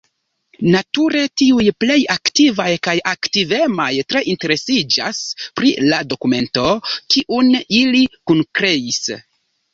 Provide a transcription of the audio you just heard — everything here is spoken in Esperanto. Nature tiuj plej aktivaj kaj aktivemaj tre interesiĝas pri la dokumento, kiun ili kunkreis.